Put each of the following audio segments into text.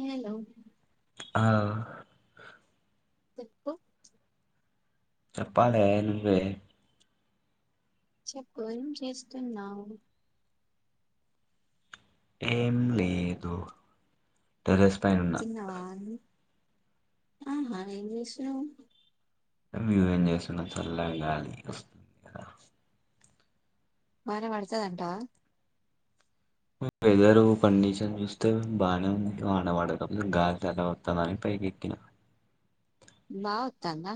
Hello ఆ చెప్పు చప్పాలే నువ్వే చెప్పు ఏం చేస్తున్నావు ఏం లేదు టెర్రస్ పైన ఉన్నా తిన్నవా ఆహా ఏం జేషినవ్ నువ్వేం చేస్తున్న చల్ల గాలి వస్తుంది కదా వాన పడతాడంటావా వెదరు కండిషన్ చూస్తే బాగానే వాన పడ గాలి ఎలా వస్తాని పైకి ఎక్కిన బావుతానా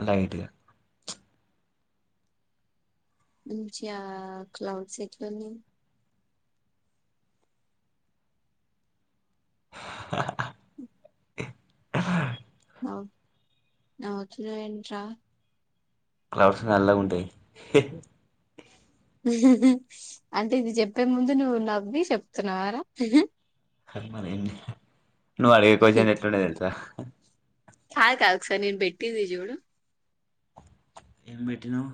అ లైట్ గా మంచి ఆ క్లౌడ్స్ ఎట్లని హా హా ఆ నవ్వుతున్నావంట్రా క్లౌడ్స్ నల్లగా ఉంటాయి హి హి హుహూ అంటే ఇది చెప్పే ముందు నువ్వు నవ్వి చెప్తున్నావారా మరి నువ్వు అడిగెయ్ క్వశ్చన్ ఎట్లుడేయ్ తెలుసా కాదు కాదు ఒక్కసారి నేను పెట్టింది చూడు ఏం పెటినవు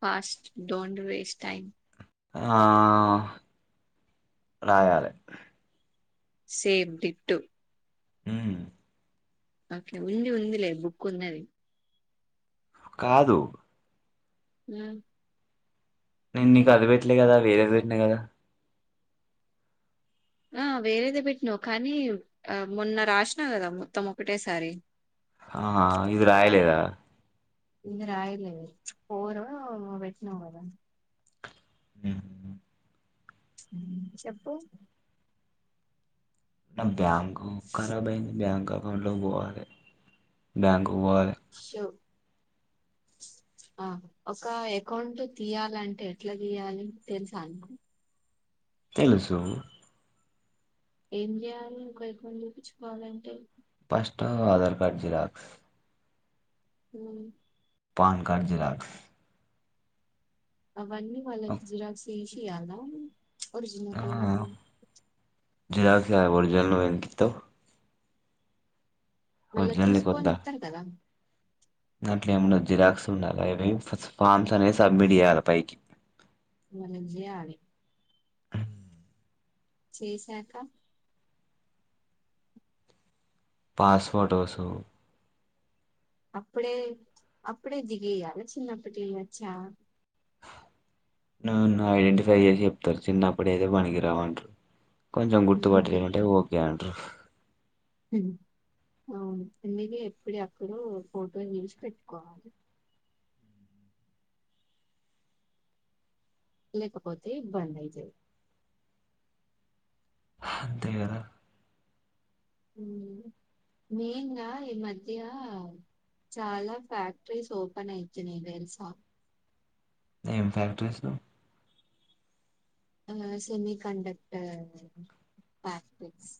ఫాస్ట్ డోంట్ వేస్ట్ టైమ్ ఆ రాయల్ సేబ్బిటు ఉమ్ ఓకే ఉ ఉంది లే ఉందీ లే బుక్ ఉన్నది కాదు మ్మ్ నేను నీకు అది పెట్టలే కదా వేరేది పెట్టినా కదా ఆ వేరేదే పెట్టినావు కానీ ఆ మొన్న రాసినా కదా మొత్తం ఒకటేసారి ఆ ఇది రాయలేదా ఇది రాయలే పోర వెట్నంగాదా [inaudible] చెప్పు నా బ్యాంకు బుక్ కరబ్ అయింది బ్యాంక్ అకౌంట్ లో పోవాలే బ్యాంకు పోవాలే అ ఆ ఒక అకౌంట్ తీయాలంటే ఎట్లా తీయాలి తెలుసా నీకు తెలుసు ఏం చేయాలే ఒక అకౌంట్ తిపించుకోవాలంటే ఫస్ట్ ఆధార్ కార్డు జిరాక్స్ హ్మ్ పాన్ కార్డు జీరాక్స్ అవన్నీ వాళ్ళకి జీరాక్స్ తేసి ఇయ్యాల ఒరిజినల్ ఇయ్యాల జీరాక్స్ ఇయ్యాల ఒరిజినల్ నువ్వు ఎందుకు ఇస్తావ్ మళ్ళా తీసుకొని ఇస్తారు కదా దంట్లో ఏమున్నా జిరాక్స్ ఉండాల అవి ఫామ్స్ అనేవి సబ్మిట్ చేయాలా పైకి [inaudible] చేశాకా పాస్ ఫోటోసు అప్పుడే అప్పుడే దిగి ఇయ్యాల చిన్నప్పటి ఇయ్యాచా నన్ను ఐడెంటిఫై చేసి చెప్తారు చిన్నప్పుడు ఏదతే పనికిరావంటారు కొంచెం గుర్తుపట్ అంటే ఓకే అంటరు హ్మ్ అవును అందుకే ఎప్పుడ ఎక్కడూ ఫోటో చూసి పెట్టుకోవాలి లేకపోతే ఇబ్బంది అయితది అంతే గదా. మేన్ గా ఈ మధ్య. చాలా ఫ్యాక్టరీస్ ఓపెన్ అయితున్నాయి తెలుసా. ఏం ఫ్యాక్టరీస్. Semiconductor factories.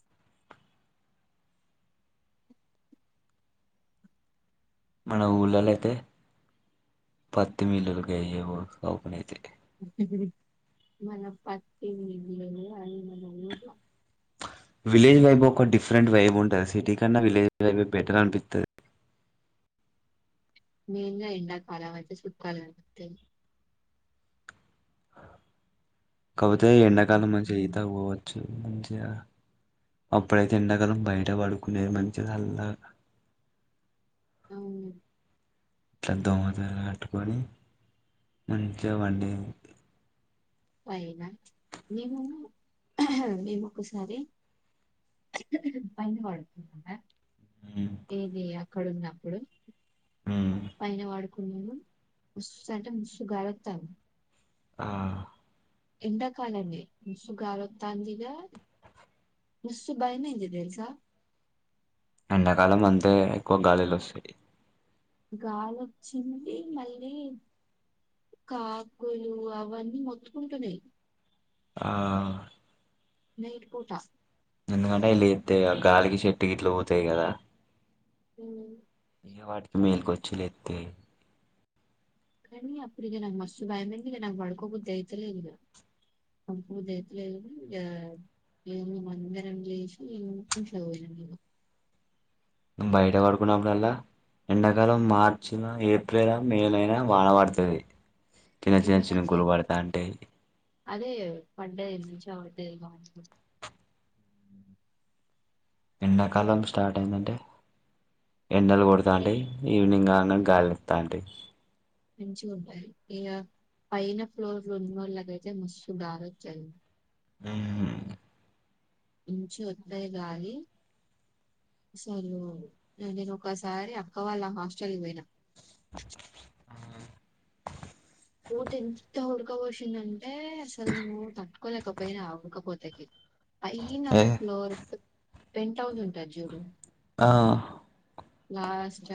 మన ఊళ్ళలో అయితే పత్తి మిల్లులుకి అయ్యే ఓపెన్ అయితాయి. మన పత్తి మిల్లులు అవి మన ఊర్ల. విలేజ్ వైబ్ ఒక డిఫరెంట్ వైబ్ ఉంటాది సిటీ కన్నా విలేజ్ వైబ్ బెటర్ అనిపిస్తాది. ఆ. మెయిన్ గా ఎండాకాలం అయితే చుక్కలు కనిపిస్తాయి. కాకపోతే ఎండాకాలం మంచి ఈతకు పోవచ్చు మంచిగా. అప్పుడైతే ఎండాకాలం బయట పడుకునేది మంచిగా చల్లాగా. హ్మ్ ఇట్లా దోమల తేరా కట్టుకొని మంచిగా పడుకొనే. అయినా మేము మేము ఒకసారి. పైన పడుకోరా. ఉమ్ ఏది అక్కడ ఉన్నప్పుడు ఉమ్ పైన పడు. మస్తూ అంటే మస్తూ గాలి వస్తాది. ఆ. ఎండాకాలనే మస్తూ గాలి వస్తాంది ఇగ. మస్తూ భయం అయింది తెలుసా. ఎండాకాలం అంతే ఎక్కువ గాలిలు వస్తాయి. గాలి వచ్చింది మళ్ళీ. కాకులు అవన్నీ మొతుకుంటున్నాయి. ఆ నైట్ పూట. ఎందుకంటే ఎలిగి ఇస్తాయి కదా గాలికి చెట్టు గిట్ల పోతాయి కదా. హ్మ్. వాటికి మేలుకొచ్చి లేస్తాయి. కానీ అప్పుడు నాకు భయం అయింది నాకు పడుకో బుద్ధి అయితాలేదు ఇగ. పడుకో బుద్ధి అయితాలేదు ఇగ. మేము మే అందరం లేసి ఇంట్లో పోయినాము ఇగ. నువ్వు బయట పడుకున్నప్పుడల్లా ఎండాకాలం మార్చి ఏప్రిల్ మేలైనా వాన పడుతాది. చిన్న చిన్న ఎందుకు అట్లా చినుకులు పడుతా ఉంటాయి. అదే పాడయి నుంచి ఉండేది ఇగ. ఎండాకాలం స్టార్ట్ అయిందంటే ఎండలు కొడుతాయి ఈవినింగ్. గాలి వస్తాటాయి. మంచిగా ఉంటాయి ఇగ. పైన ఫ్లోర్లు ఉన్నోళ్ళకైతే మస్తూ గాలి వస్తాది. హ్మ్ మంచిగా వస్తాది గాలి. అసలు నేను ఒకసారి అక్క వాళ్ళ హాస్టల్ కి పోయినా. పోతే ఎంత ఉడుక ఉడుకపోషిందంటే అసలు నువ్వు తట్టుకోలేకపోయినా ఉడుకపోతేకి పైన ఏ ఫ్లోర్ పెంట్ హౌస్ ఉంటాది చూడు ఆ లాస్ట్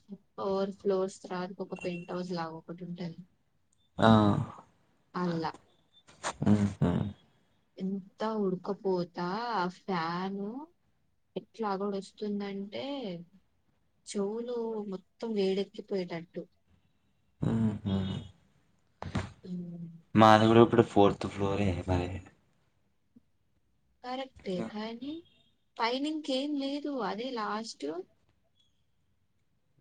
ఫ్లేర్ ప్లేస్ తర్వాత పెంట్ రోజు కావు ఒకటి ఉంటాది ఆ అలా ఆ ఎంత ఉడకపోతా ఆ ఫ్యాను ఎట్లా కూడా వస్తుందంటే చెవులు మొత్తం వేడెక్కిపోయేటట్డు మాధగలుప్పుడు ఫోర్త్ ఫ్లోోరే మారజ కరెక్టే కానీ పైని ఇంక ఏం లేదు అదే లాస్ట్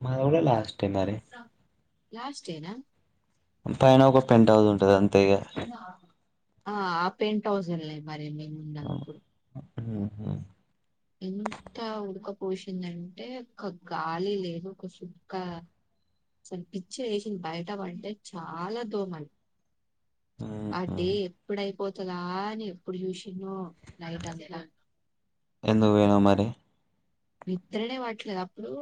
మా ఎడ స్ట్ అన్నారుే లాస్ట్ డేనా పైన ఒక పెం అవుదు ఉంటంది అంతే ఇగ ఆ ఆ పెయింట్ హౌజ ఉన్నాయి మరి నేను ఉన్నా అప్పుడు ఎంత ఉడకపోసిందంటే ఒక గాలి లేదు ఒక సుక్క అసలు పిచ్చి వేసింది బయట పంటే చాలా దోమలు అదే ఎప్పుడై పోతలాా అని ఎప్పుడు చూసినో నలైట్ అంతా ఎందు వేణ మరి నిద్ద్రనే వావట్లేదు అప్పుడు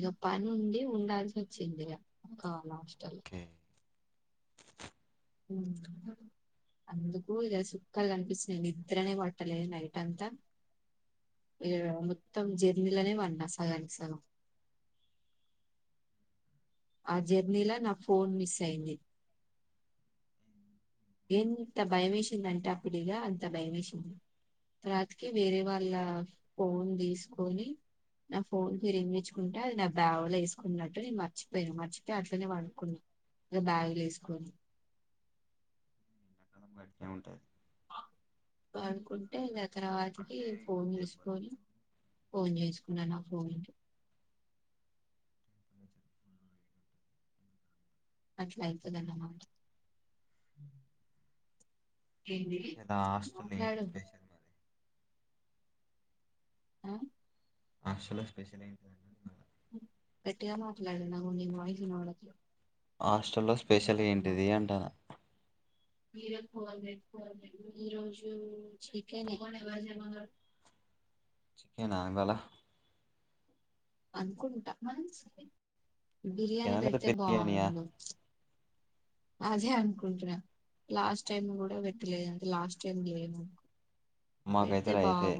ఇక పని ఉండి ఉండాల్సి వచ్చింది ఇక కావాల హస్టల్లో ఉ అందుకు ఇక సుక్కాలు కనిపిస్తున్నాయి నిద్రనే పట్టలేదు నైట్ అంతా ఇ మొత్తం జర్నీలనే వడి సగనికి సగం ఆ జర్నీలో నా ఫోన్ మిస్ అయింది ఎంత భయమ వేసింది అంటే అప్పుడుక అంత భయ వేసింది రాతికి వేరే వాళ్ళ ఫోన్ తీసుకొని నా ఫోన్కి రేం నేర్చుకుంటే అది నా బావలో వేసుకున్నట్టు నేను మర్చిపోయాను మర్చిపోయి అట్లానేేను అనుకున్నా బ్యాగ్ లేసుకొని [unintelligible] అనుకుంటే ఇ తర్వాతకి అంటే ఇగ ఫోన్ టెంపరేచర్ తీసుకొని ఫోన్ చేసుకున్నా నా ఫోన్ అట్లా అతుందన్నమాట ఏదా హాస్టల్ మాట్లాడు [unintelligible] మరి ఆ అసలు స్పెషల్ [unintelligible] [unintelligible] హాస్టల్లో స్పెషల్ వినపడట్లే ఏంటిది అంటాను మీర ఫో ఫన్ రోజు చె ఎవాజ మా చికెన్ ఆ [unintelligible] అనుకుంటా బిర్యానీ చికెనా లేదా పెడితే బిర్యానీయా బాగుండు అది [unintelligible] లాస్ట్ టైం కూడ పెట్టలేదుంటే లాస్ట్ టైమ్ లేముకు మాకైతే రయితే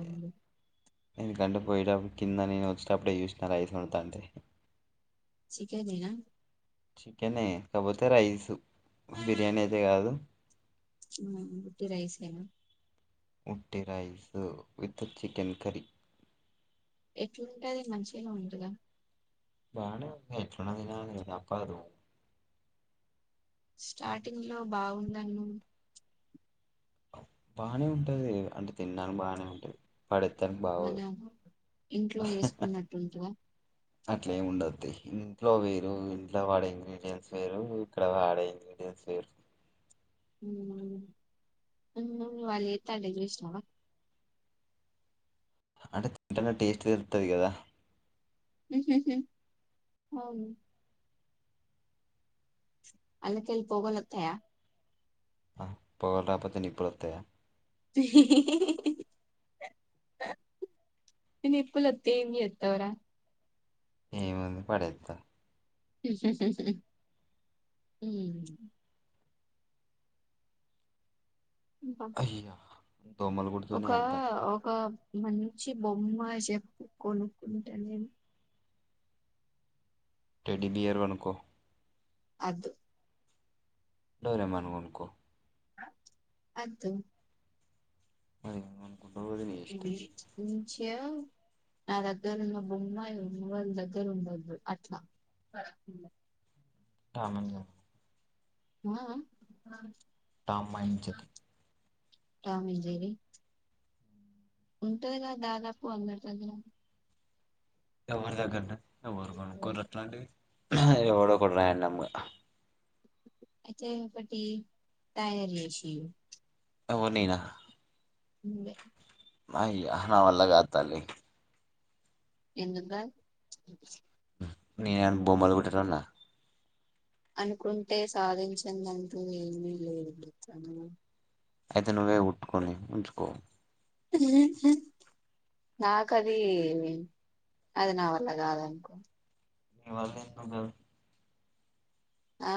నది గంట పోయేటప్పుడు కింద నేను వచ్చేటప్పుడే చూసిన ఐస్ ఉడతా శికిధన చికెనే కాకపోతే రైసు బిర్యానీ అయితే కాదు హు ఉట్టి రైస్ ఎన ఉట్టి రైస్ విత్ చికెన్ కర్రీ ఎట్లుంటే అది మంచిగా ఉంటద బానే ఉంది ఎట్లున్న తప్పదు అ [inaudible] స్టార్టింగ్ లో బాగుందన్ను బాగానే ఉంటది అంటే తిన్నానికి బానే ఉంది [unintelligible] మన బాగోదు ఇంట్లో వేసుకున్నట్టుంటదా [inaudible] అట్లేమి ఉండదు ఇంట్లో వేరు ఇంట్లో వాడే ఇంగ్రీడియంట్స్ వేరు ఇక్కడ వాడే ఇంగ్రీడియట్ నీ పేరు [inaudible] వాళ్ళు ఎస్టండేది చూసినావ అంటే తింటనే టేస్ట్ తెలుస్తది కదా హు హు అవును అందుకిళ్ళ పోగలు వతాయ ఆ పొగలు రాకపోతే నిప్పులొతాయ [inaudible] నిప్పులొస్తే ఏం చేస్తావ్ రా ఏముంది పడేత్త [inaudible] ఇంకా అయ్యా దోమలు ఒక కుడుతున్నాయి అంతా ఒక మంచి బొమ్మ చెప్పు కొనుక్కుంటా నేను టెడి బియర్ కొనుకో అదు డోరెమాన్ కొనుకో అదు మరి ఎం కా నుంచి నా దగ్గర ఉన్న బొమ్మ ఎవరి దగ్గర ఉండద్దు అట్లా బ టామ్ అండ్ జ ఆ ఆ Tom and Jerry Tom and Jerry ఉంటది కదా దాదాపు అందరి దగ్గర ఎవరి దగ్గర ఎవరు కొనుక్కోరు అట్లాంటి ఎవడో ఒకడు రాండం అయితే ఒక ఒకటి తయారు చేసి ఇయ్యి నువ్వు నేన నువ్వే అయ్యా నావల్ల కాదు తల్లీ ఎందుకు కాదు నేను బొమ్బలు కొట్టేటోన్న అనుకుంటే సాధించందంటూ ఏమీ లేదు అయితే నువ్వే కుట్టుకొని ఉంచుకో ఉ ఉ నాకు అది అది నా వల్ల కాదనుకో నీ వల్ల ఎందుకు కాదు ఆ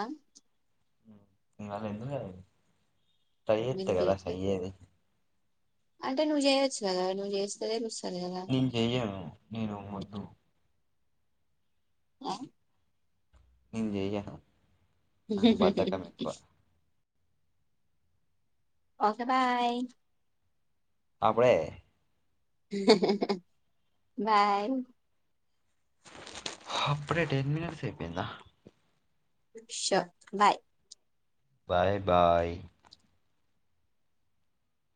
నీ వల్ల ఎందుకు కాదు ట్రై చేస్తే కదా వినిపియట్లే అయ్యేది అంటే నువ్వు చేయచ్చు కదా నువ్వు చేస్తే కదా నేను చెయ్యను నేను వద్దు ఆ నేను చెయ్యను నాకు బద్దకం ఎక్కువ ఓకే బాయ్ అడే బాయ్ అప్పుడే టేమిన సేపోయిందా ష బాయ్ బాయ్ బాయ్